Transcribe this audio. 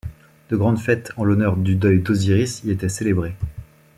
De grandes fêtes en l'honneur du deuil d'Osiris y étaient célébrées.